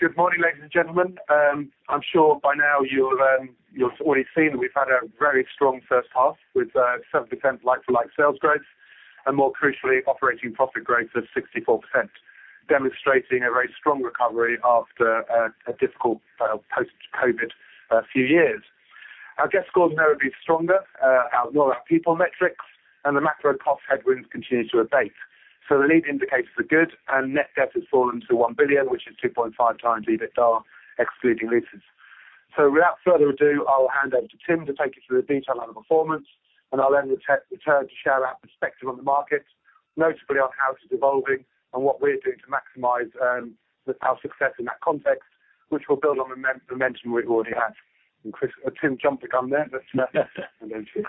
Good morning, ladies and gentlemen. I'm sure by now you'll, you've already seen that we've had a very strong first half, with seven percent like-for-like sales growth, and core crucially, operating profit growth of 64%, demonstrating a very strong recovery after a difficult post-COVID few years. Our guest score is narrowly stronger, our core people metrics, and the macro cost headwinds continue to abate. So the lead indicators are good, and net debt has fallen to one billion, which is 2.5 times EBITDA excluding leases. So without further ado, I'll hand over to Tim to take you through the detail on the performance, and I'll then return to share our perspective on the market, notably on how it's evolving and what we're doing to maximize our success in that context, which will build on the momentum we already have. And with that, Tim, over to you.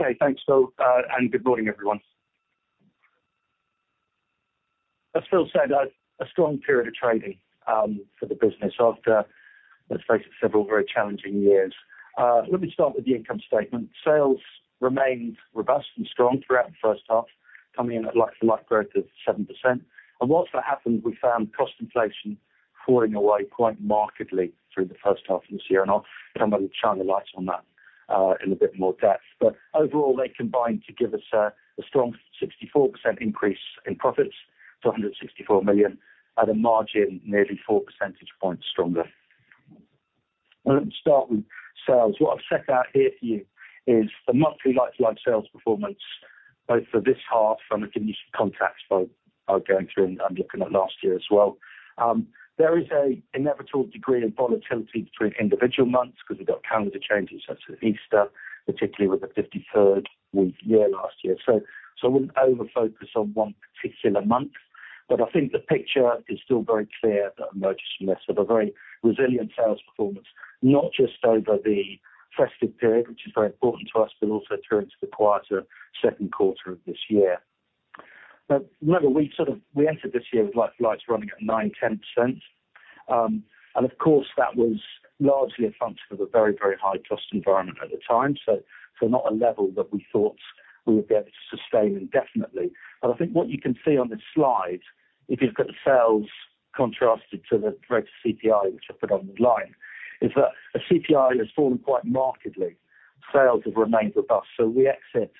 Okay, thanks, Phil, and good morning, everyone. As Phil said, strong period of trading for the business after, let's face it, several very challenging years. Let me start with the income statement. Sales remained robust and strong throughout the first half, coming in at like-for-like growth of 7%. While that happened, we found cost inflation falling away quite markedly through the first half of this year, and I'll come and shine the lights on that in a bit core depth. But overall, they combined to give us a strong 64% increase in profits to 164 million, at a margin nearly four percentage points stronger. Let me start with sales. What I've set out here for you is the monthly like-for-like sales performance, both for this half, and I'll give you some context by going through and looking at last year as well. There is an inevitable degree of volatility between individual months, because we've got calendar changes such as Easter, particularly with the 53rd-week year last year. I wouldn't over-focus on one particular month, but I think the picture is still very clear that emerges from this, of a very resilient sales performance, not just over the festive period, which is very important to us, but also through into the quieter second quarter of this year. But remember, we sort of, we entered this year with like-for-likes running at 9%-10%. And of course, that was largely a function of a very, very high cost environment at the time, so, so not a level that we thought we would be able to sustain indefinitely. But I think what you can see on this slide, if you've got the sales contrasted to the red CPI, which I put on the line, is that the CPI has fallen quite markedly. Sales have remained robust, so we exit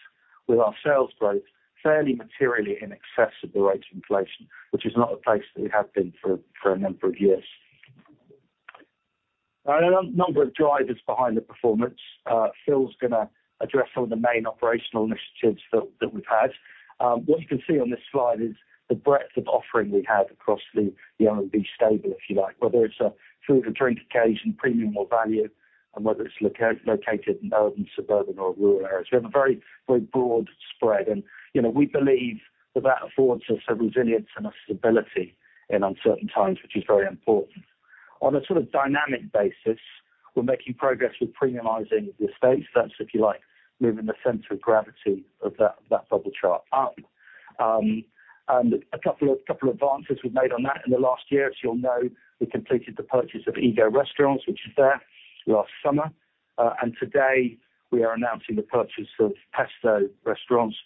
with our sales growth fairly materially in excess of the rate of inflation, which is not a place that we have been for a number of years. Number of drivers behind the performance. Phil's gonna address some of the main operational initiatives that we've had. What you can see on this slide is the breadth of offering we have across the M&B stable, if you like. Whether it's a food or drink occasion, premium or value, and whether it's located in urban, suburban or rural areas. We have a very, very broad spread and, you know, we believe that that affords us a resilience and a stability in uncertain times, which is very important. On a sort of dynamic basis, we're making progress with premiumizing the estate. That's, if you like, moving the center of gravity of that bubble chart up. And a couple of advances we've made on that in the last year, as you'll know, we completed the purchase of Ego Restaurants, which is there, last summer. And today, we are announcing the purchase of Pesto Restaurants,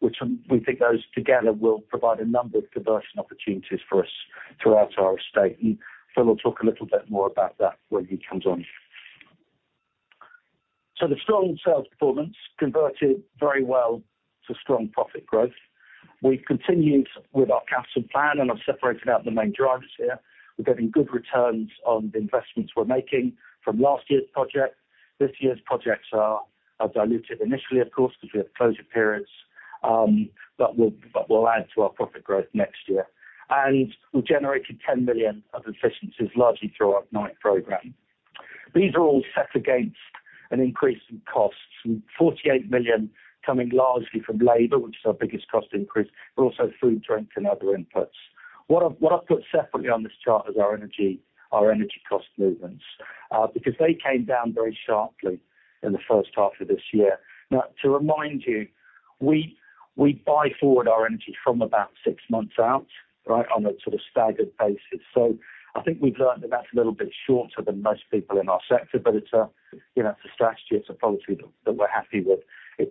which we think those together will provide a number of conversion opportunities for us throughout our estate. And Phil will talk a little bit core about that when he comes on. So the strong sales performance converted very well to strong profit growth. We've continued with our capital plan, and I've separated out the main drivers here. We're getting good returns on the investments we're making from last year's project. This year's projects are diluted initially, of course, because we have closure periods, but will add to our profit growth next year. We generated 10 million of efficiencies, largely through our Ignite program. These are all set against an increase in costs, and 48 million coming largely from labor, which is our biggest cost increase, but also food, drink, and other inputs. What I've put separately on this chart is our energy cost movements, because they came down very sharply in the first half of this year. Now, to remind you, we buy forward our energy from about six months out, right, on a sort of staggered basis. So I think we've learned that that's a little bit shorter than most people in our sector, but it's, you know, a strategy, a policy that we're happy with.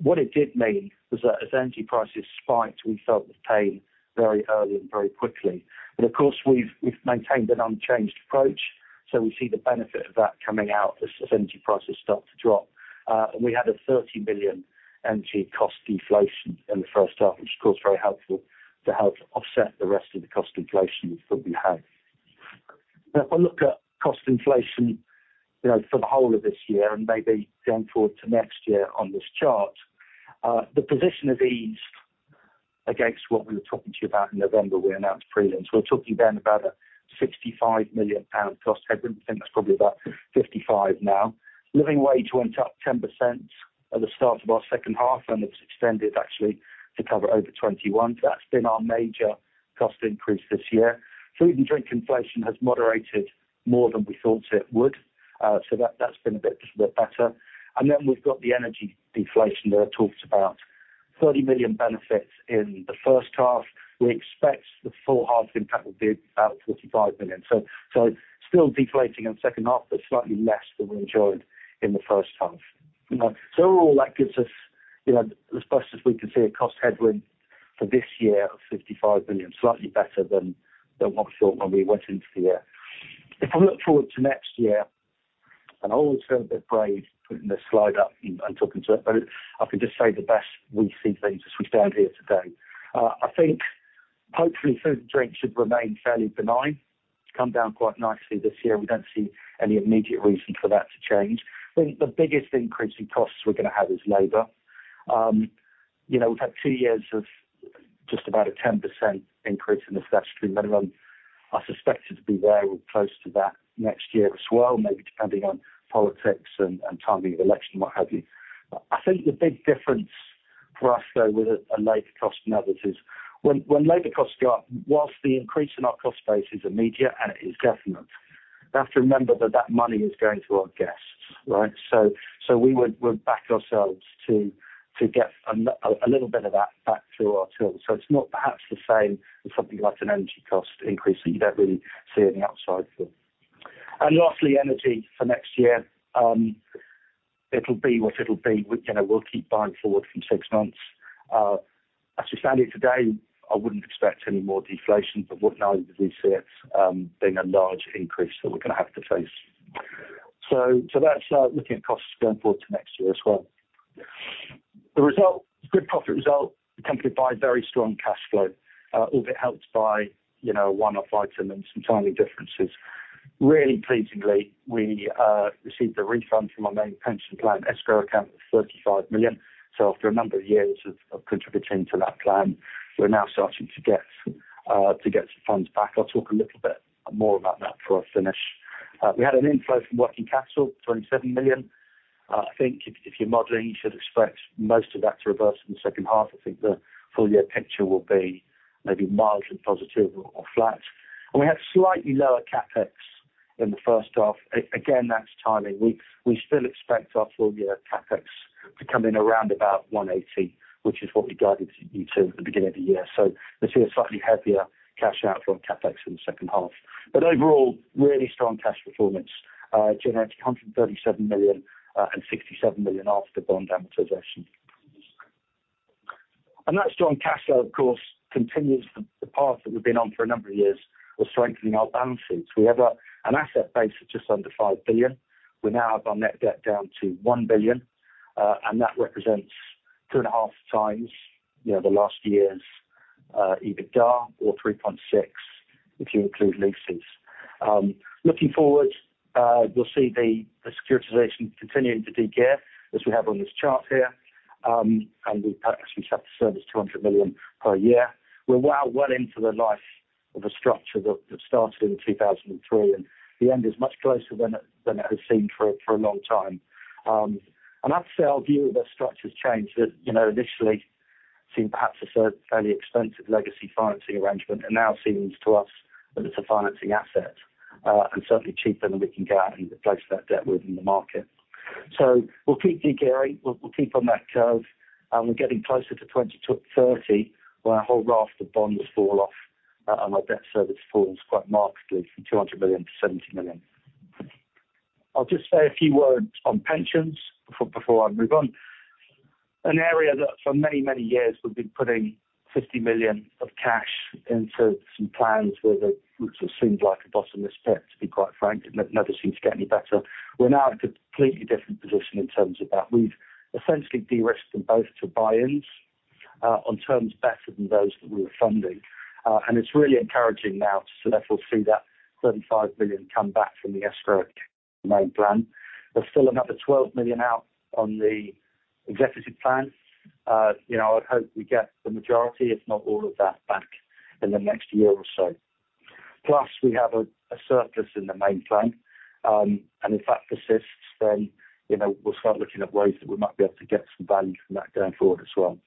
What it did mean was that as energy prices spiked, we felt the pain very early and very quickly. But of course, we've maintained an unchanged approach, so we see the benefit of that coming out as energy prices start to drop. And we had a 30 million energy cost deflation in the first half, which of course is very helpful to help offset the rest of the cost inflation that we had. Now, if I look at cost inflation, you know, for the whole of this year and maybe going forward to next year on this chart, the position of ease against what we were talking to you about in November, we announced prelims. We were talking then about a 65 million pound cost headroom, I think that's probably about 55 now. Living Wage went up 10% at the start of our second half, and it's extended actually to cover over 21. So that's been our major cost increase this year. Food and drink inflation has moderated core than we thought it would, so that- that's been a bit, bit better. And then we've got the energy deflation that I talked about. 30 million benefits in the first half. We expect the full half impact will be about 45 million. So, still deflating in the second half, but slightly less than we enjoyed in the first half. You know, so all that gives us, you know, as best as we can see, a cost headwind for this year of 55 million, slightly better than what we thought when we went into the year. If I look forward to next year, and I always feel a bit brave putting this slide up and talking to it, but I can just say the best we see things as we stand here today. I think hopefully, food and drink should remain fairly benign. It's come down quite nicely this year. We don't see any immediate reason for that to change. I think the biggest increase in costs we're gonna have is labor. You know, we've had two years of just about a 10% increase in the statutory minimum. I suspect it to be very close to that next year as well, maybe depending on politics and timing of election, what have you. I think the big difference for us, though, with a labor cost and others is when labor costs go up, whilst the increase in our cost base is immediate and it is definite, we have to remember that that money is going to our guests, right? So we would back ourselves to get a little bit of that back through our tools. So it's not perhaps the same as something like an energy cost increase that you don't really see on the outside for. And lastly, energy for next year, it'll be what it'll be. We, you know, we'll keep buying forward from six months. As we stand here today, I wouldn't expect any core deflation, but what now we see it being a large increase that we're gonna have to face. So that's looking at costs going forward to next year as well. The result, good profit result, accompanied by very strong cash flow, all of it helped by, you know, a one-off item and some timing differences. Really pleasingly, we received a refund from our main pension plan, escrow account of 35 million. So after a number of years of contributing to that plan, we're now starting to get to get some funds back. I'll talk a little bit core about that before I finish. We had an inflow from working capital, 27 million. I think if you're modeling, you should expect most of that to reverse in the second half. I think the full year picture will be maybe mildly positive or flat. We had slightly lower CapEx in the first half. Again, that's timing. We still expect our full year CapEx to come in around about 180, which is what we guided you to at the beginning of the year. So we see a slightly heavier cash outflow on CapEx in the second half. But overall, really strong cash performance, generating 137 million and 67 million after bond amortization. And that strong cash flow, of course, continues the path that we've been on for a number of years of strengthening our balance sheets. We have an asset base of just under five billion. We now have our net debt down to 1 billion, and that represents 2.5 times, you know, the last year's EBITDA, or 3.6, if you include leases. Looking forward, you'll see the securitization continuing to de-gear, as we have on this chart here, and we actually set to service 200 million per year. We're well, well into the life of a structure that started in 2003, and the end is much closer than it has seemed for a long time. And that's our view of the structure's changed, that, you know, initially seemed perhaps a fairly expensive legacy financing arrangement, and now seems to us that it's a financing asset, and certainly cheaper than we can get out and replace that debt within the market. So we'll keep de-gearing, we'll keep on that curve, and we're getting closer to 2030, where a whole raft of bonds fall off, and our debt service falls quite markedly from 200 million to 70 million. I'll just say a few words on pensions before I move on. An area that for many, many years, we've been putting 50 million of cash into some plans where the, which has seemed like a bottomless pit, to be quite frank, it never seems to get any better. We're now in a completely different position in terms of that. We've essentially de-risked them both to buy-ins on terms better than those that we were funding. And it's really encouraging now to therefore see that 35 million come back from the escrow main plan. There's still another 12 million out on the executive plan. You know, I'd hope we get the majority, if not all of that, back in the next year or so. Plus, we have a surplus in the main plan, and if that persists, then, you know, we'll start looking at ways that we might be able to get some value from that going forward as well.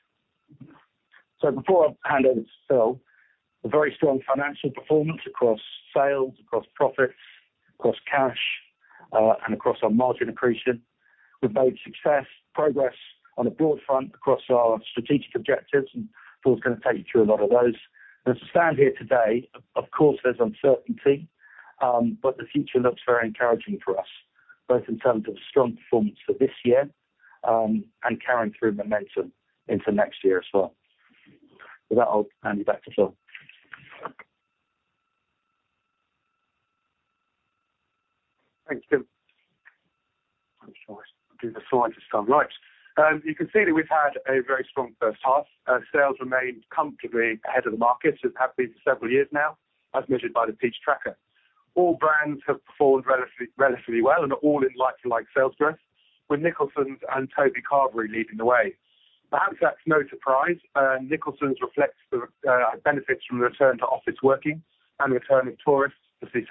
So before I hand over to Phil, a very strong financial performance across sales, across profits, across cash, and across our margin accretion. We've made success, progress on a broad front across our strategic objectives, and Phil's gonna take you through a lot of those. And as I stand here today, of course, there's uncertainty, but the future looks very encouraging for us, both in terms of strong performance for this year, and carrying through momentum into next year as well. With that, I'll hand you back to Phil. Thanks, Tim. I'm sure I do the slides this time, right. You can see that we've had a very strong first half. Sales remained comfortably ahead of the market, as have been for several years now, as measured by the Peach Tracker. All brands have performed relatively, relatively well and all in like-for-like sales growth, with Nicholson's and Toby Carvery leading the way. Perhaps that's no surprise. Nicholson's reflects the benefits from the return to office working and the return of tourists to city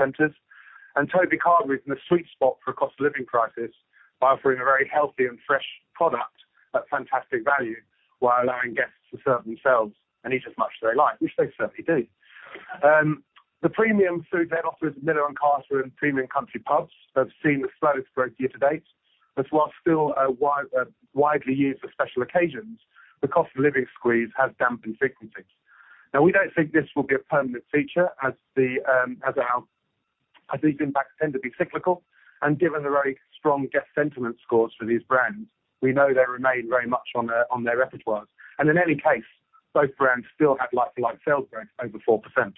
centers. Toby Carvery is in a sweet spot for cost of living crisis by offering a very healthy and fresh product at fantastic value, while allowing guests to serve themselves and eat as much as they like, which they certainly do. The premium food offers of Miller & Carter and Premium Country Pubs have seen the slowest growth year to date, but while still widely used for special occasions, the cost of living squeeze has dampened frequencies. Now, we don't think this will be a permanent feature as these impacts tend to be cyclical, and given the very strong guest sentiment scores for these brands, we know they remain very much on their repertoires. In any case, both brands still had like-for-like sales growth over 4%.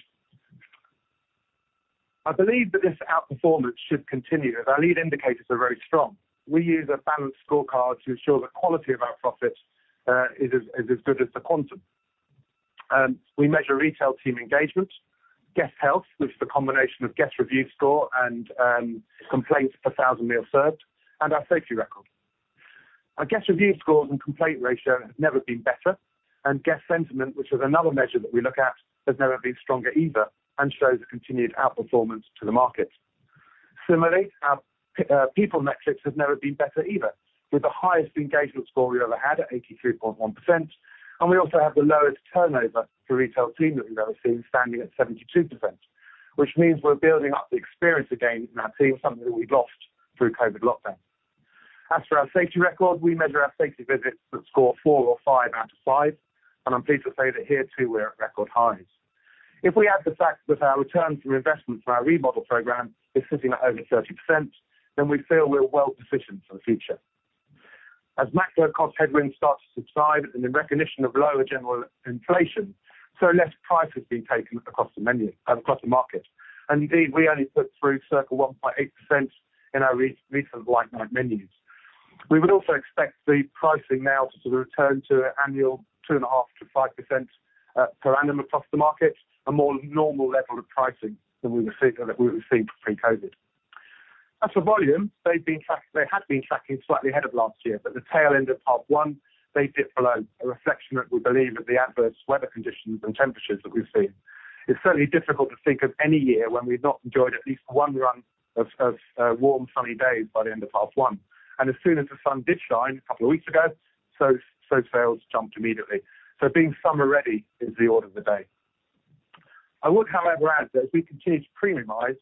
I believe that this outperformance should continue, as our lead indicators are very strong. We use a balanced scorecard to ensure the quality of our profits is as good as the quantum. We measure retail team engagement, guest health, which is a combination of guest review score and complaints per thousand meals served, and our safety record. Our guest review scores and complaint ratio have never been better, and guest sentiment, which is another measure that we look at, has never been stronger either, and shows a continued outperformance to the market. Similarly, our people metrics have never been better either, with the highest engagement score we've ever had at 83.1%, and we also have the lowest turnover for retail team that we've ever seen, standing at 72%, which means we're building up the experience again in our team, something that we'd lost through COVID lockdown. As for our safety record, we measure our safety visits that score four or five out of five, and I'm pleased to say that here, too, we're at record highs. If we add the fact that our return from investment for our remodel program is sitting at over 30%, then we feel we're well positioned for the future. As macro cost headwinds start to subside, and in recognition of lower general inflation, so less price is being taken across the menu, across the market. And indeed, we only put through circa 1.8% in our recent like-for-like menus. We would also expect the pricing now to sort of return to annual 2.5%-5%, per annum across the market, a core normal level of pricing than we received, than we received pre-COVID. As for volume, they had been tracking slightly ahead of last year, but the tail end of part one, they dipped below, a reflection that we believe of the adverse weather conditions and temperatures that we've seen. It's certainly difficult to think of any year when we've not enjoyed at least one run of warm, sunny days by the end of part one. And as soon as the sun did shine a couple of weeks ago, so sales jumped immediately. So being summer-ready is the order of the day. I would, however, add that as we continue to premiumize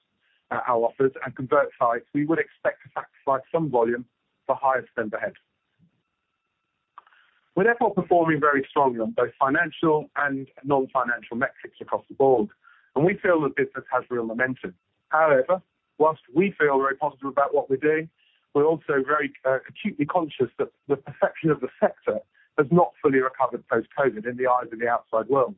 our offers and convert sites, we would expect to sacrifice some volume for higher spend per head. We're therefore performing very strongly on both financial and non-financial metrics across the board, and we feel the business has real momentum. However, while we feel very positive about what we're doing, we're also very, acutely conscious that the perception of the sector has not fully recovered post-COVID in the eyes of the outside world.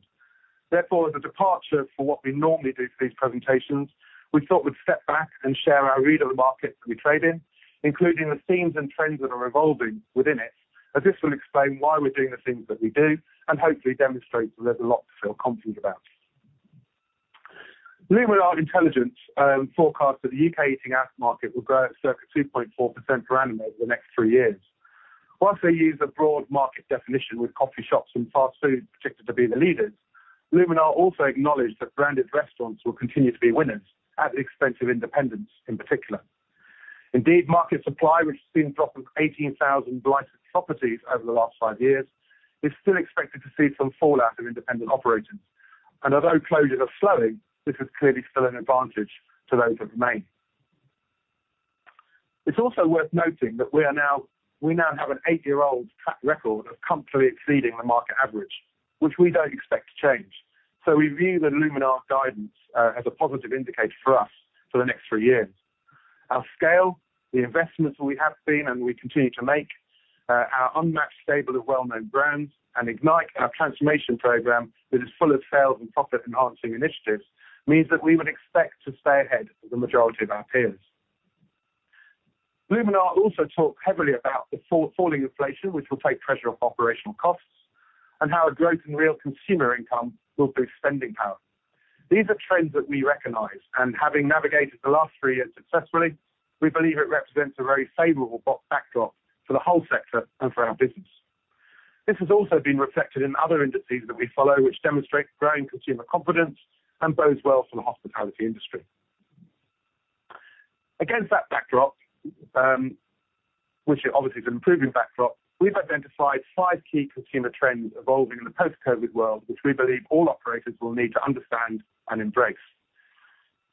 Therefore, as a departure for what we normally do for these presentations, we thought we'd step back and share our read of the market that we trade in, including the themes and trends that are evolving within it, as this will explain why we're doing the things that we do, and hopefully demonstrate that there's a lot to feel confident about. Lumina Intelligence forecasts that the U.K. eating out market will grow at circa 2.4% per annum over the next three years. While they use a broad market definition, with coffee shops and fast food predicted to be the leaders, Lumina also acknowledged that branded restaurants will continue to be winners at the expense of independents in particular. Indeed, market supply, which has seen a drop of 18,000 licensed properties over the last five years, is still expected to see some fallout of independent operators. Although closures are slowing, this is clearly still an advantage to those that remain. It's also worth noting that we now have an eight-year-old track record of comfortably exceeding the market average, which we don't expect to change. So we view the Lumina guidance as a positive indicator for us for the next three years. Our scale, the investments we have seen and we continue to make, our unmatched stable of well-known brands, and Ignite, our transformation program, that is full of sales and profit-enhancing initiatives, means that we would expect to stay ahead of the majority of our peers. Lumina also talked heavily about falling inflation, which will take pressure off operational costs, and how a growth in real consumer income will boost spending power. These are trends that we recognize, and having navigated the last three years successfully, we believe it represents a very favorable backdrop for the whole sector and for our business. This has also been reflected in other indices that we follow, which demonstrate growing consumer confidence and bodes well for the hospitality industry. Against that backdrop, which obviously is an improving backdrop, we've identified five key consumer trends evolving in the post-COVID world, which we believe all operators will need to understand and embrace.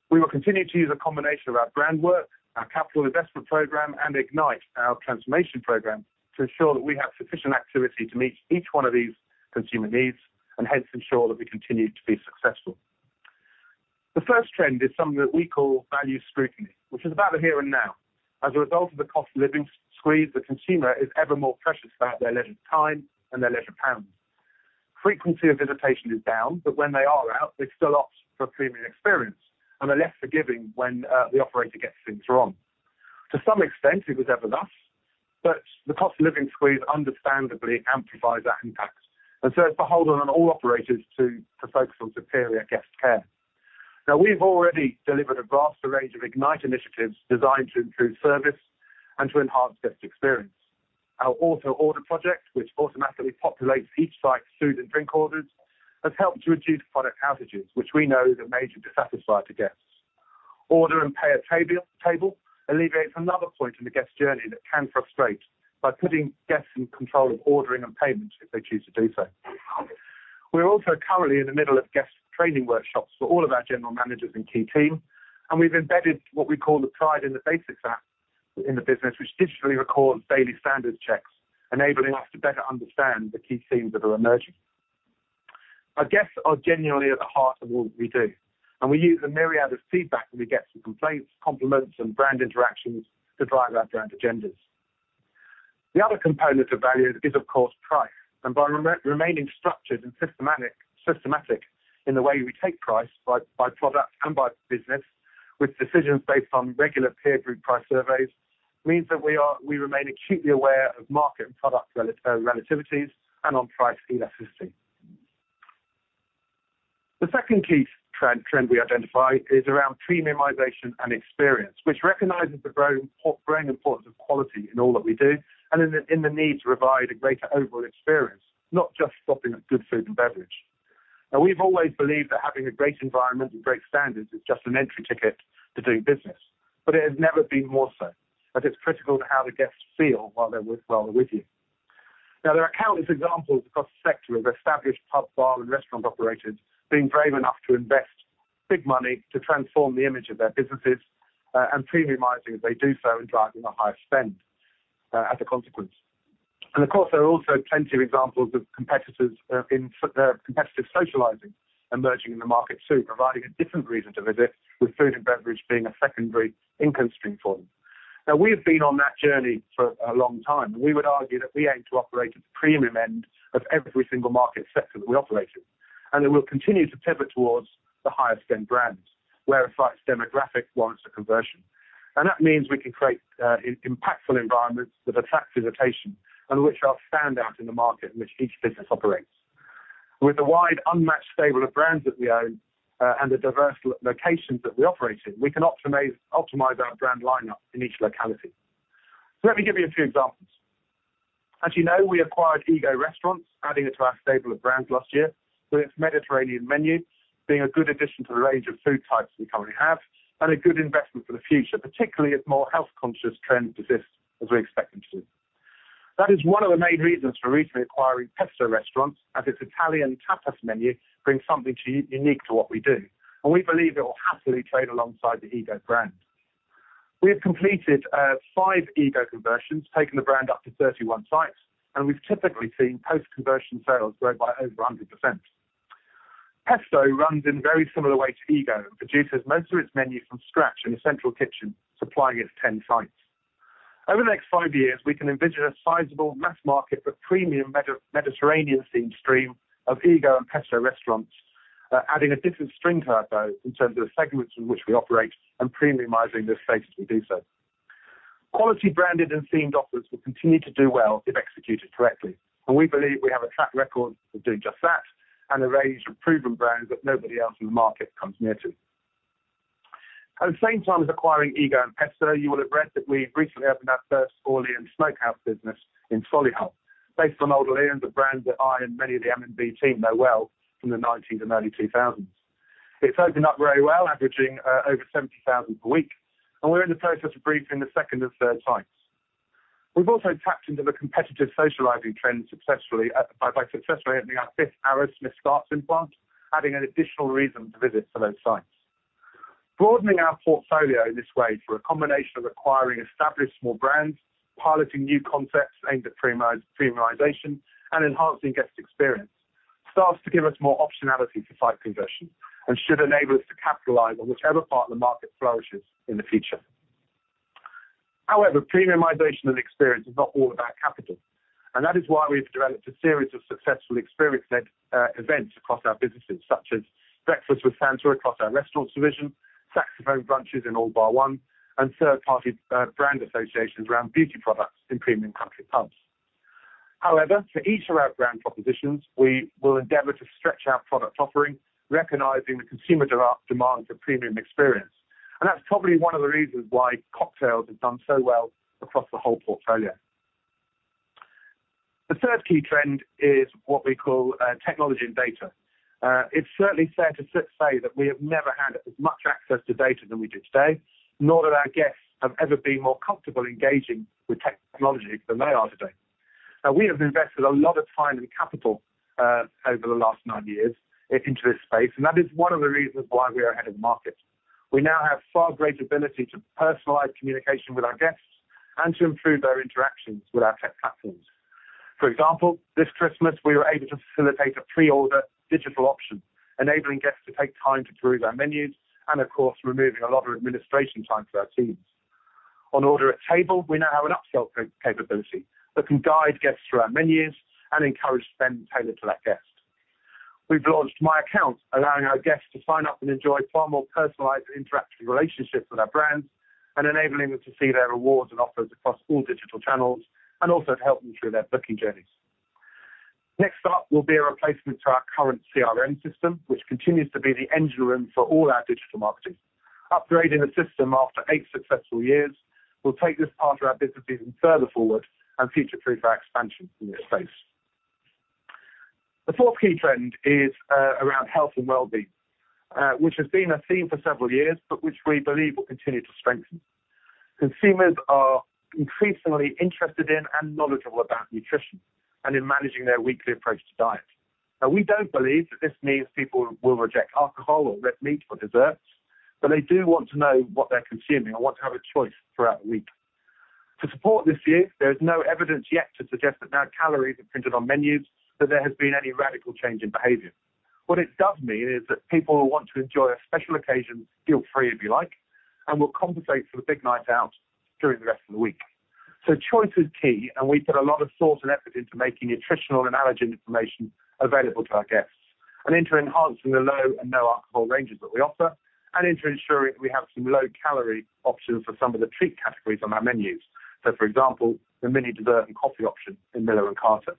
We will continue to use a combination of our brand work, our capital investment program, and Ignite, our transformation program, to ensure that we have sufficient activity to meet each one of these consumer needs, and hence ensure that we continue to be successful. The first trend is something that we call value scrutiny, which is about the here and now. As a result of the cost of living squeeze, the consumer is ever core precious about their leisure time and their leisure pounds. Frequency of visitation is down, but when they are out, they still opt for a premium experience, and are less forgiving when the operator gets things wrong. To some extent, it was ever thus, but the cost of living squeeze understandably amplifies that impact, and so it's beholden on all operators to focus on superior guest care. Now, we've already delivered a vast array of Ignite initiatives designed to improve service and to enhance guest experience. Our Auto-Order project, which automatically populates each site's food and drink orders, has helped to reduce product outages, which we know is a major dissatisfier to guests. Order and Pay at Table alleviates another point in the guest journey that can frustrate by putting guests in control of ordering and payment, if they choose to do so. We're also currently in the middle of guest training workshops for all of our general managers and key team, and we've embedded what we call the Pride in the Basics app in the business, which digitally records daily standard checks, enabling us to better understand the key themes that are emerging.... Our guests are genuinely at the heart of all that we do, and we use the myriad of feedback that we get from complaints, compliments, and brand interactions to drive our brand agendas. The other component of value is, of course, price, and by remaining structured and systematic in the way we take price, by product and by business, with decisions based on regular peer group price surveys, means that we are, we remain acutely aware of market and product relativities and price elasticity. The second key trend we identify is around premiumization and experience, which recognizes the growing importance of quality in all that we do and in the need to provide a greater overall experience, not just stopping at good food and beverage. Now, we've always believed that having a great environment and great standards is just an entry ticket to doing business, but it has never been core so, that it's critical to how the guests feel while they're with you. Now, there are countless examples across the sector of established pub, bar, and restaurant operators being brave enough to invest big money to transform the image of their businesses, and premiumizing as they do so, and driving a higher spend, as a consequence. And of course, there are also plenty of examples of competitors in competitive socializing emerging in the market too, providing a different reason to visit, with food and beverage being a secondary income stream for them. Now, we have been on that journey for a long time, and we would argue that we aim to operate at the premium end of every single market sector that we operate in, and that we'll continue to pivot towards the higher spend brands, where a site's demographic warrants a conversion. And that means we can create impactful environments that attract visitation and which are stand out in the market in which each business operates. With the wide unmatched stable of brands that we own and the diverse locations that we operate in, we can optimize our brand lineup in each locality. So let me give you a few examples. As you know, we acquired Ego Restaurants, adding it to our stable of brands last year, with its Mediterranean menu being a good addition to the range of food types we currently have, and a good investment for the future, particularly as core health-conscious trends persist, as we expect them to. That is one of the main reasons for recently acquiring Pesto Restaurants, as its Italian tapas menu brings something unique to what we do, and we believe it will happily trade alongside the Ego brand. We have completed five Ego conversions, taking the brand up to 31 sites, and we've typically seen post-conversion sales grow by over 100%. Pesto runs in a very similar way to Ego and produces most of its menu from scratch in a central kitchen, supplying its 10 sites. Over the next five years, we can envision a sizable mass market, but premium Mediterranean-themed stream of Ego and Pesto restaurants, adding a different string to our bow in terms of the segments in which we operate and premiumizing the space as we do so. Quality branded and themed offers will continue to do well if executed correctly, and we believe we have a track record of doing just that, and a range of proven brands that nobody else in the market comes near to. At the same time as acquiring Ego and Pesto, you will have read that we recently opened our first Orleans Smokehouse business in Solihull, based on Old Orleans, a brand that I and many of the M&B team know well from the nineties and early 2000s. It's opened up very well, averaging over 70,000 per week, and we're in the process of briefing the second and third sites. We've also tapped into the competitive socializing trend successfully by successfully opening our fifth Arrowsmiths implant, adding an additional reason to visit for those sites. Broadening our portfolio in this way, through a combination of acquiring established small brands, piloting new concepts aimed at premiumization, and enhancing guest experience, starts to give us core optionality for site conversion and should enable us to capitalize on whichever part of the market flourishes in the future. However, premiumization and experience is not all about capital, and that is why we've developed a series of successful experience-led events across our businesses, such as Breakfast with Santa across our restaurants division, saxophone brunches in All Bar One, and third-party brand associations around beauty products in Premium Country Pubs. However, for each of our brand propositions, we will endeavor to stretch our product offering, recognizing the consumer demands for premium experience, and that's probably one of the reasons why cocktails have done so well across the whole portfolio. The third key trend is what we call technology and data. It's certainly fair to say that we have never had as much access to data than we do today, nor that our guests have ever been core comfortable engaging with technology than they are today. Now, we have invested a lot of time and capital over the last nine years into this space, and that is one of the reasons why we are ahead of the market. We now have far greater ability to personalize communication with our guests and to improve their interactions with our tech platforms. For example, this Christmas, we were able to facilitate a pre-order digital option, enabling guests to take time to improve our menus and, of course, removing a lot of administration time for our teams. On order at table, we now have an upsell capability that can guide guests through our menus and encourage spend tailored to that guest. We've launched My Account, allowing our guests to sign up and enjoy far core personalized interactive relationships with our brands, and enabling them to see their rewards and offers across all digital channels, and also to help them through their booking journeys. Next up will be a replacement to our current CRM system, which continues to be the engine room for all our digital marketing. Upgrading the system after eight successful years will take this part of our business even further forward and future-proof our expansion in this space. The fourth key trend is around health and wellbeing, which has been a theme for several years, but which we believe will continue to strengthen. Consumers are increasingly interested in and knowledgeable about nutrition and in managing their weekly approach to diet. Now, we don't believe that this means people will reject alcohol or red meat or desserts, but they do want to know what they're consuming and want to have a choice throughout the week... To support this view, there is no evidence yet to suggest that now calories are printed on menus, that there has been any radical change in behavior. What it does mean is that people will want to enjoy a special occasion, guilt-free, if you like, and will compensate for the big night out during the rest of the week. So choice is key, and we put a lot of thought and effort into making nutritional and allergen information available to our guests, and into enhancing the low and no alcohol ranges that we offer, and into ensuring we have some low-calorie options for some of the treat categories on our menus. So, for example, the mini dessert and coffee option in Miller & Carter.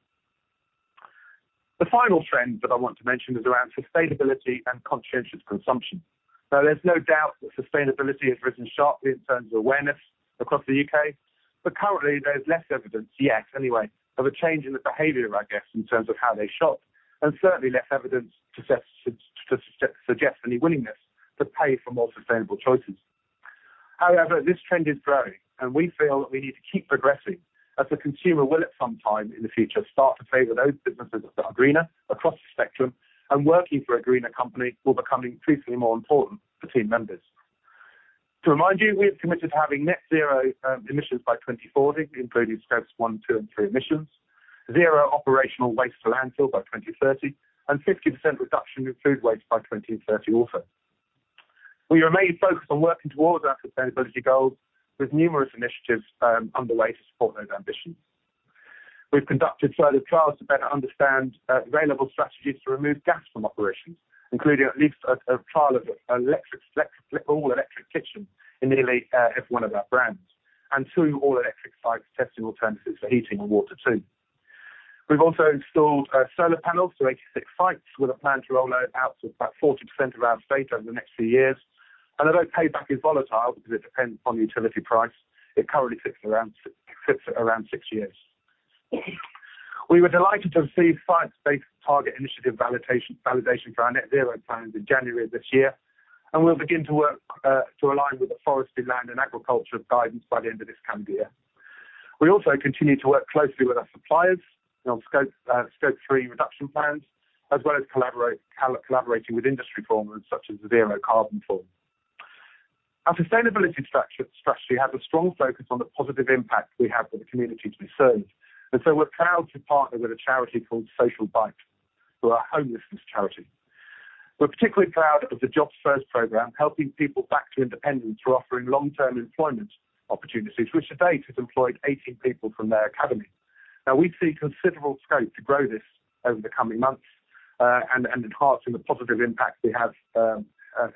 The final trend that I want to mention is around sustainability and conscientious consumption. Now, there's no doubt that sustainability has risen sharply in terms of awareness across the U.K., but currently there's less evidence, yet anyway, of a change in the behavior, I guess, in terms of how they shop, and certainly less evidence to suggest, to, to suggest any willingness to pay for core sustainable choices. However, this trend is growing, and we feel that we need to keep progressing, as the consumer will, at some time in the future, start to favor those businesses that are greener across the spectrum, and working for a greener company will become increasingly core important for team members. To remind you, we have committed to having net zero emissions by 2040, including Scope 1, 2, and 3 emissions, zero operational waste to landfill by 2030, and 50% reduction in food waste by 2030 also. We remain focused on working towards our sustainability goals with numerous initiatives underway to support those ambitions. We've conducted further trials to better understand available strategies to remove gas from operations, including at least a trial of electric all-electric kitchen in nearly every one of our brands, and two all-electric sites testing alternatives for heating and water, too. We've also installed solar panels to 86 sites with a plan to roll out to about 40% of our estate over the next few years, and although payback is volatile because it depends on the utility price, it currently sits at around six years. We were delighted to receive Science Based Targets initiative validation for our net zero plans in January of this year, and we'll begin to work to align with the Forestry, Land and Agriculture guidance by the end of this calendar year. We also continue to work closely with our suppliers on Scope three reduction plans, as well as collaborating with industry forums such as the Zero Carbon Forum. Our sustainability strategy has a strong focus on the positive impact we have on the communities we serve, and so we're proud to partner with a charity called Social Bite, who are a homelessness charity. We're particularly proud of the Jobs First program, helping people back to independence through offering long-term employment opportunities, which to date has employed 18 people from their academy. Now, we see considerable scope to grow this over the coming months, and enhancing the positive impact we have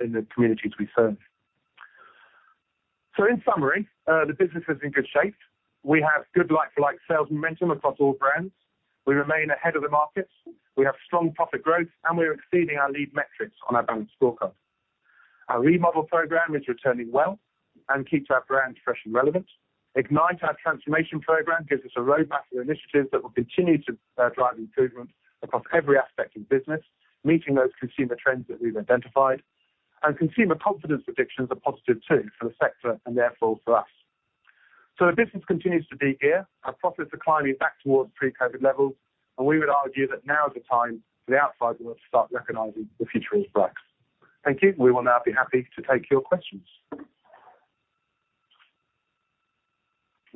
in the communities we serve. So in summary, the business is in good shape. We have good like-for-like sales momentum across all brands. We remain ahead of the market. We have strong profit growth, and we are exceeding our lead metrics on our balanced scorecard. Our remodel program is returning well and keeps our brand fresh and relevant. Ignite, our transformation program, gives us a roadmap for initiatives that will continue to drive improvement across every aspect of the business, meeting those consumer trends that we've identified. Consumer confidence predictions are positive, too, for the sector and therefore for us. The business continues to be geared, our profits are climbing back towards pre-COVID levels, and we would argue that now is the time for the outside world to start recognizing the future is bright. Thank you. We will now be happy to take your questions....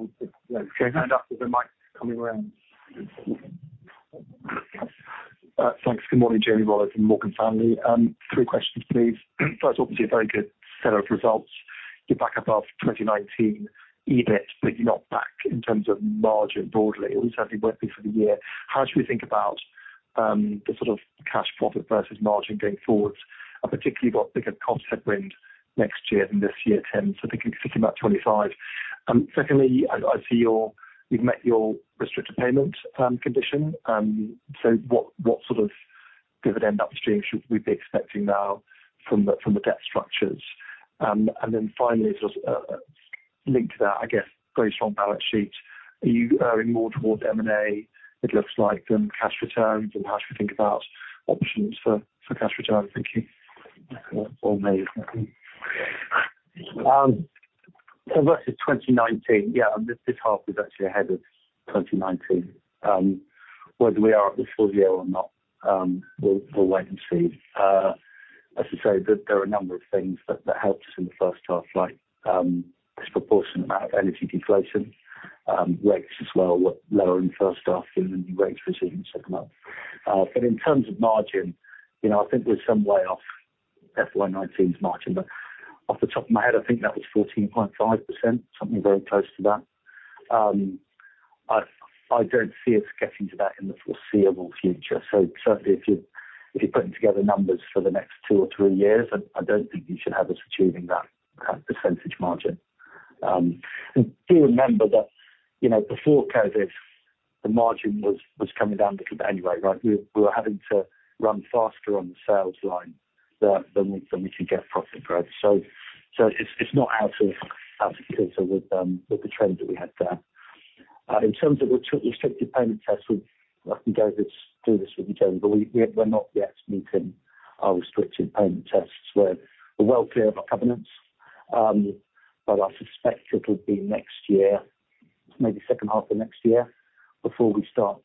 Okay, hand up with the mic coming around. Thanks. Good morning, Jamel Wallace from Morgan Stanley. Three questions, please. First, obviously, a very good set of results. You're back above 2019 EBIT, but you're not back in terms of margin broadly, or certainly won't be for the year. How should we think about the sort of cash profit versus margin going forward, and particularly what bigger comp tailwind next year than this year, then so thinking about 2025? Secondly, I see your—you've met your restricted payment condition, so what sort of dividend upstream should we be expecting now from the debt structures? And then finally, just linked to that, I guess, very strong balance sheet. Are you erring core towards M&A, it looks like, than cash returns? How should we think about options for cash returns? Thank you. Versus 2019, yeah, and this, this half is actually ahead of 2019. Whether we are at the full year or not, we'll, we'll wait and see. As you say, there, there are a number of things that, that helped us in the first half, like, disproportionate amount of energy deflation, rates as well, were lower in the first half than the rates we've seen second half. But in terms of margin, you know, I think we're some way off FY 2019's margin, but off the top of my head, I think that was 14.5%, something very close to that. I don't see us getting to that in the foreseeable future, so certainly if you're putting together numbers for the next two or three years, I don't think you should have us achieving that kind of percentage margin. And do remember that, you know, before COVID, the margin was coming down a little bit anyway, right? We were having to run faster on the sales line than we could get profit growth. So it's not out of kilter with the trend that we had there. In terms of the restricted payment test, I can go through this with you, Jamel Wallace, but we're not yet meeting our restricted payment tests. We're well clear of our covenants, but I suspect it'll be next year, maybe second half of next year, before we start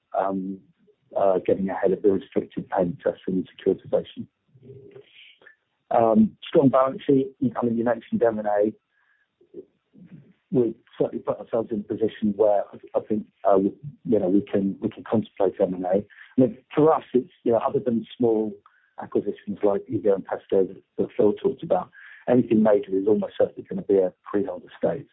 getting ahead of the restricted payment tests and the securitization.... Strong balance sheet. I mean, you mentioned M&A. We've certainly put ourselves in a position where I, I think, you know, we can, we can contemplate M&A. I mean, for us, it's, you know, other than small acquisitions like Ego and Pesto that Phil talked about, anything major is almost certainly gonna be a freehold estate.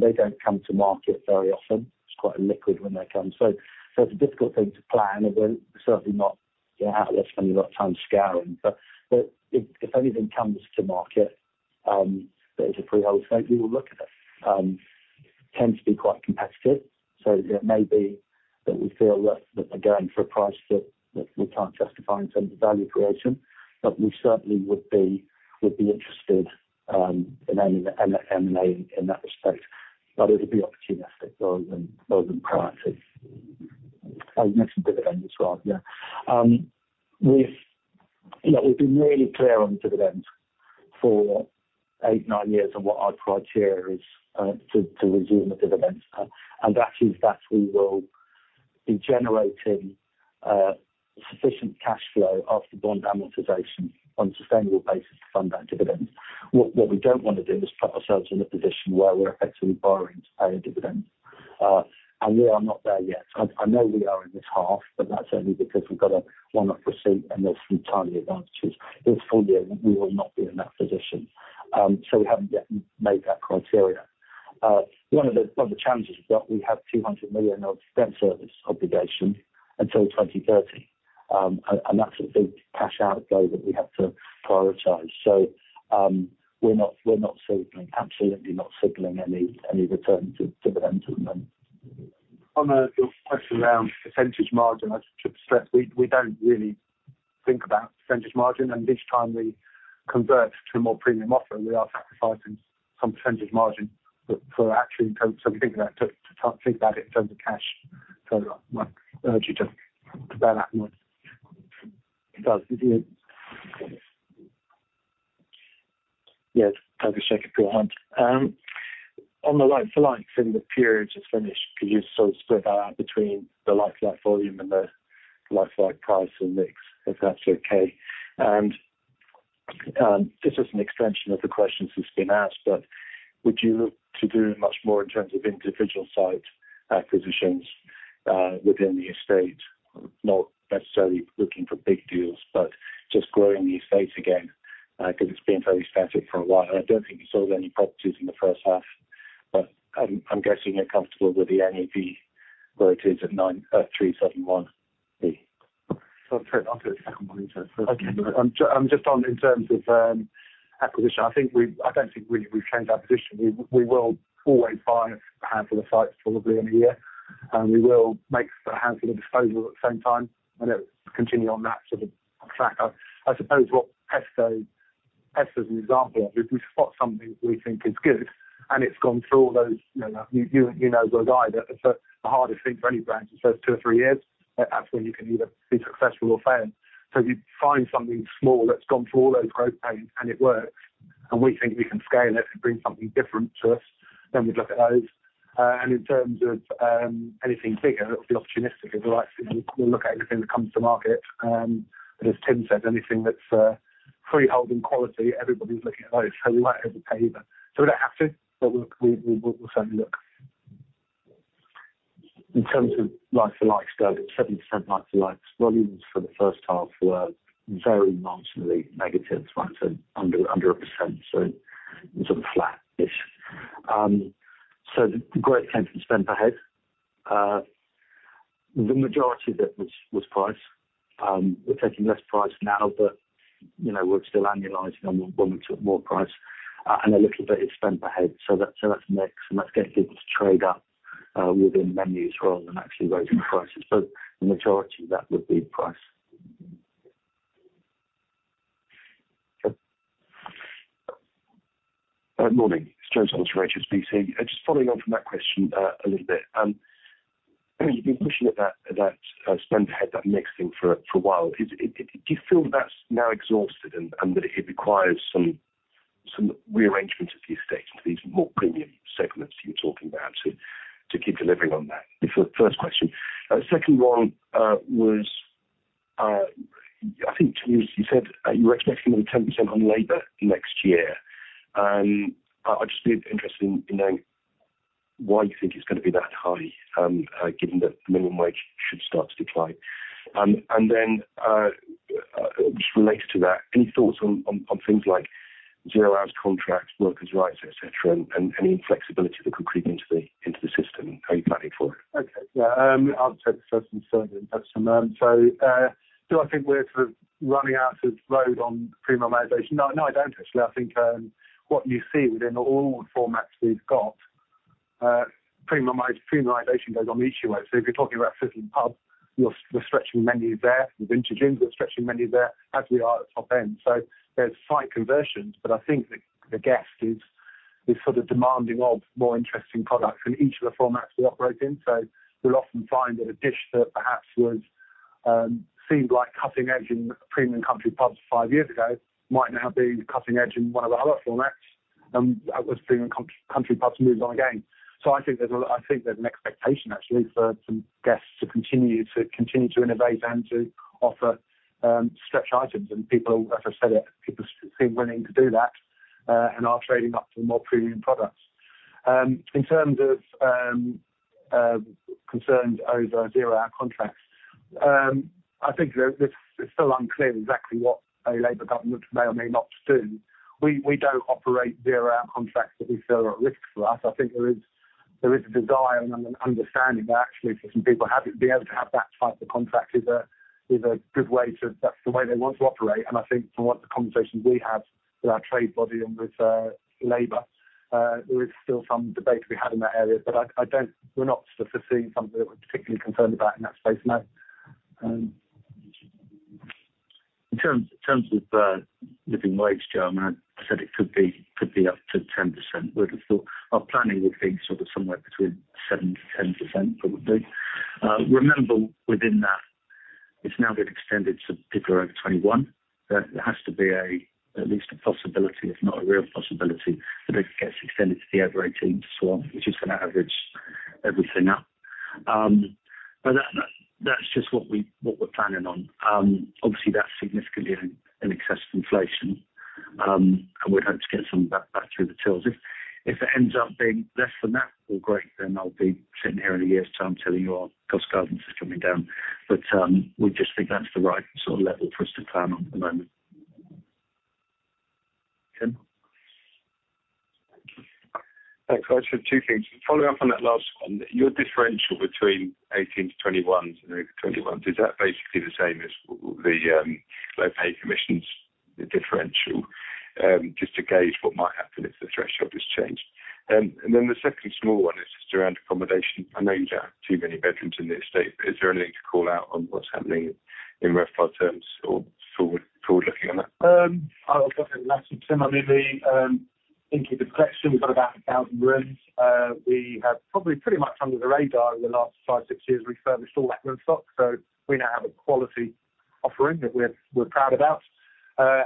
They don't come to market very often. It's quite illiquid when they come. So it's a difficult thing to plan, and we're certainly not getting out less when you've got time scouring. But if anything comes to market that is a freehold estate, we will look at it. Tends to be quite competitive, so it may be that we feel that they're going for a price that we can't justify in terms of value creation, but we certainly would be interested in any M&A in that respect, but it'll be opportunistic rather than priority. Oh, you mentioned dividends as well, yeah. We've, you know, we've been really clear on dividends for eight, nine years and what our criteria is to resume the dividends. And that is that we will be generating sufficient cash flow after bond amortization on sustainable basis to fund our dividends. What we don't want to do is put ourselves in a position where we're effectively borrowing to pay a dividend, and we are not there yet. I know we are in this half, but that's only because we've got a one-off receipt and there's some tiny advantages. In full year, we will not be in that position. So we haven't yet made that criteria. One of the challenges is that we have 200 million of debt service obligation until 2030, and that's a big cash outgo that we have to prioritize. So, we're not, we're not signaling, absolutely not signaling any, any return to dividends at the moment. On your question around percentage margin, I should stress, we, we don't really think about percentage margin, and each time we convert to a core premium offer, we are sacrificing some percentage margin but for actually, so we think about it, to, to think about it in terms of cash. So I, I urge you to bear that in mind. Yes, thank you. Doug Jack. On the like-for-likes in the period just finished, could you sort of split that out between the like-for-like volume and the like-for-like price and mix, if that's okay? And this is an extension of the questions that's been asked, but would you look to do much core in terms of individual site acquisitions within the estate? Not necessarily looking for big deals, but just growing the estate again because it's been very static for a while, and I don't think you sold any properties in the first half, but I'm guessing you're comfortable with the NAV, where it is at 937.1p. So I'll do it. Okay. I'm just on in terms of acquisition, I think we—I don't think we've changed our position. We will always buy a handful of sites, probably in a year, and we will make a handful of disposal at the same time and continue on that sort of track. I suppose what Pesto is an example of, if we spot something we think is good and it's gone through all those, you know, you know well Doug, that the hardest thing for any brand is those two or three years, that's when you can either be successful or fail. So if you find something small that's gone through all those growth pains and it works, and we think we can scale it and bring something different to us, then we'd look at those. And in terms of anything bigger, it'll be opportunistic as we like to say, we'll look at anything that comes to market. But as Tim said, anything that's freehold and quality, everybody's looking at those, so we might overpay, but so we don't have to, but we will certainly look. In terms of like-for-like, Doug, 7% like-for-likes, volumes for the first half were very marginally negative, right, so under a percent, so sort of flat-ish. So the growth came from spend per head. The majority of it was price. We're taking less price now, but, you know, we're still annualizing on when we took core price, and a little bit is spend per head, so that's a mix, and that's getting people to trade up within menus rather than actually raising prices. So the majority of that would be price. Morning, Jeremy from HSBC. Just following on from that question, a little bit, you've been pushing at that spend per head, that next thing for a while. Is it—do you feel that's now exhausted and, and that it requires some, some rearrangement of the estate for these core premium segments you're talking about to, to keep delivering on that? This is the first question. The second one was, I think, Tim, you said you were expecting only 10% on labor next year. I'd just be interested in knowing why you think it's going to be that high, given that minimum wage should start to decline. And then, just related to that, any thoughts on, on, on things like zero hours contracts, workers' rights, et cetera, and, and any flexibility that could creep into the, into the system, how you planning for it? Okay. Yeah, I'll take the first and third, so do I think we're sort of running out of road on premiumization? No, no, I don't, actually. I think what you see within all the formats we've got, premiumization goes on each way. So if you're talking about Sizzling Pubs, we're stretching menus there. With Vintage Inns, we're stretching menus there, as we are at top end. So there's site conversions, but I think the guest is sort of demanding core interesting products in each of the formats we operate in. So we'll often find that a dish that perhaps seemed like cutting edge in Premium Country Pubs five years ago, might now be cutting edge in one of our other formats. And that's seeing the country pubs move on again. So I think there's an expectation actually for some guests to continue to innovate and to offer stretch items. And people, as I said, people seem willing to do that and are trading up to core premium products. In terms of concerns over zero-hour contracts, I think that it's still unclear exactly what a labor government may or may not pursue. We don't operate zero-hour contracts, but we feel are at risk for us. I think there is a desire and an understanding that actually for some people having to be able to have that type of contract is a good way to, that's the way they want to operate. I think from what the conversations we have with our trade body and with labor, there is still some debate to be had in that area, but I don't... We're not sort of seeing something that we're particularly concerned about in that space, no. In terms of living wage, Jeremy, I said it could be up to 10%. Would have thought our planning would be sort of somewhere between 7%-10%, probably. Remember, within that, it's now been extended to people who are over 21. There has to be at least a possibility, if not a real possibility, that it gets extended to the over 18 so on, which is going to average everything up. But that, that's just what we're planning on. Obviously, that's significantly in excess of inflation, and we'd hope to get some of that back through the tills. If it ends up being less than that, well, great, then I'll be sitting here in a year's time telling you our cost governance is coming down. But we just think that's the right sort of level for us to plan on at the moment. Tim? Thanks. So two things. Following up on that last one, your differential between 18-21 and over 21, is that basically the same as the Low Pay Commission, the differential? Just to gauge what might happen if the threshold is changed. And then the second small one is just around accommodation. I know you don't have too many bedrooms in the estate, but is there anything to call out on what's happening in refi terms or forward, forward looking on that? I've got the last timely into the collection. We've got about 1,000 rooms. We have probably pretty much under the radar in the last five-six years refurbished all that room stock, so we now have a quality offering that we're proud about.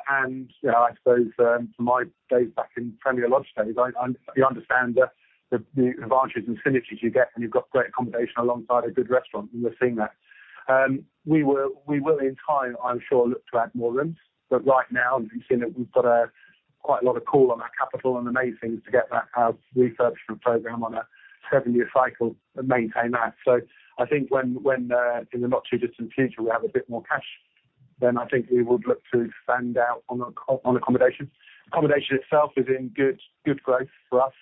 And, you know, I suppose from my days back in Premier Lodge days, I you understand the advantages and synergies you get when you've got great accommodation alongside a good restaurant, and we're seeing that. We will, in time, I'm sure, look to add core rooms, but right now, we've seen that we've got quite a lot of call on our capital and the main things to get that refurbishment program on a seven-year cycle and maintain that. So I think when in the not-too-distant future, we have a bit core cash, then I think we would look to expand out on the on accommodation. Accommodation itself is in good growth for us,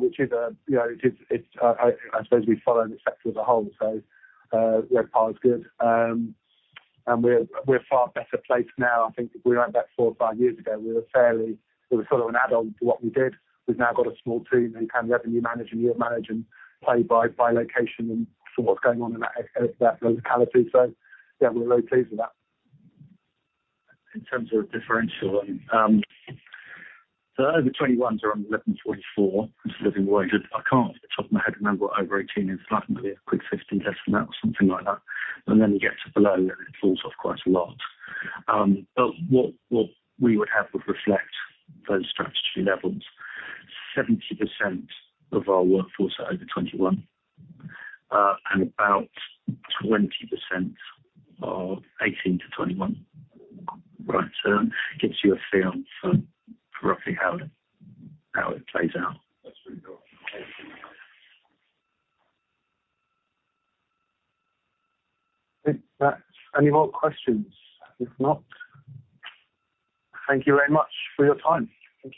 which is, you know, it is, it's, I suppose we follow the sector as a whole. So, web power is good. And we're far better placed now. I think if we went back four or five years ago, we were fairly, we were sort of an add-on to what we did. We've now got a small team and kind of revenue management, yield management, play by location and see what's going on in that that locality. So yeah, we're really pleased with that. In terms of differential, so over 21s are on 11.44 living wages. I can't off the top of my head remember what over 18 is, likely a quid 15 less than that or something like that. And then you get to below, and it falls off quite a lot. But what, what we would have would reflect those strategy levels. 70% of our workforce are over 21, and about 20% are 18-21. Right. So it gives you a feel for roughly how it, how it plays out. That's really cool. Any more questions? If not, thank you very much for your time. Thanks.